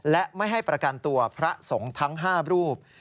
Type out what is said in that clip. และไม่ให้ประกันตัวพระสงฆ์ทั้ง๕รูป